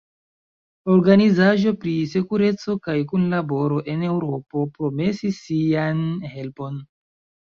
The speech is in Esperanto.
Organizaĵo pri Sekureco kaj Kunlaboro en Eŭropo promesis sian helpon.